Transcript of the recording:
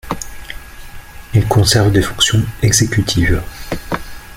Ils conservent des fonctions exécutives.